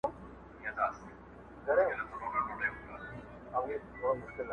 • دوه خورجینه په لومړۍ ورځ خدای تیار کړل -